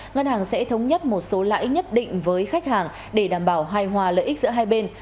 ngân hàng sẽ thống nhất một số lãi nhất định với khách hàng để đảm bảo hài hòa lợi ích giữa hai bên